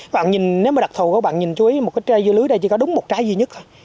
các bạn nhìn nếu mà đặc thù các bạn nhìn chú ý một cái trái dưa lưới đây chỉ có đúng một trái duy nhất thôi